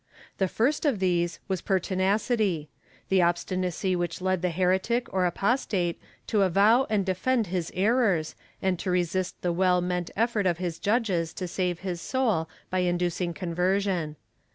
The first of these was perti nacity— the obstinacy which led the heretic or apostate to avow and defend his errors, and to resist the well meant effort of his judges to save his soul by inducing conversion.